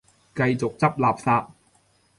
繼續執垃圾